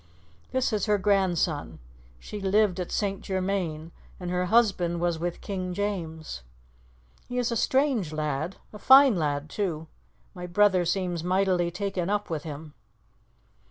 "This is her grandson. She lived at St. Germain, and her husband was with King James. He is a strange lad a fine lad too. My brother seems mightily taken up with him."